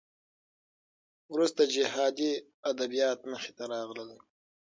وروسته جهادي ادبیات مخې ته راغلل.